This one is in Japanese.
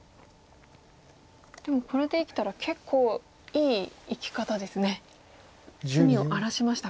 でもこれで生きたら結構いい生き方ですね。